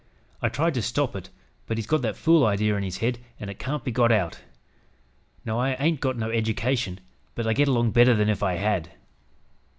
I tried to stop it, but he's got that fool idee in his head an' it can't be got out. Now I haint got no eddication, but I git along better than if I had."